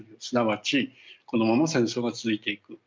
すなわちこのまま戦争が続いていく。